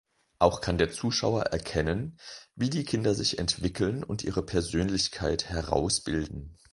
Auch kann der Zuschauer erkennen, wie die Kinder sich entwickeln und ihre Persönlichkeit herausbilden.